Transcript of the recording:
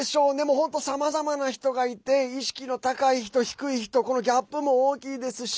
本当、さまざまな人がいて意識の高い人、低い人ギャップも大きいですし。